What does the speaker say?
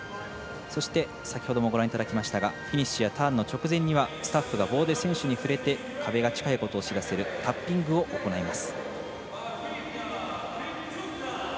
そして、先ほどもご覧いただきましたがフィニッシュやターンの直前にはスタッフが棒で選手に触れて壁が近いことを知らせるタッピングを行います。